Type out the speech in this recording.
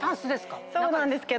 そうなんです。